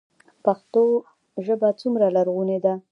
پښتو ژبه څومره لرغونې ده؟